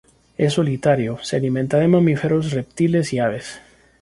Es solitario, se alimenta de mamíferos, reptiles y aves.